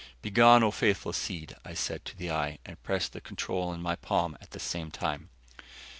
"Begone, O faithful steed," I said to the eye, and pressed the control in my palm at the same time.